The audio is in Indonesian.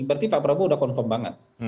berarti pak prabowo sudah confirm banget